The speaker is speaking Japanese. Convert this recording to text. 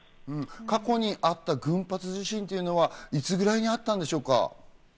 過去にあった群発地震というのはいつぐらいにあったんでしょうか？